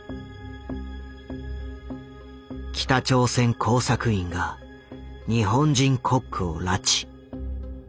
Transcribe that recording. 北朝鮮工作員が日本人コックを拉致。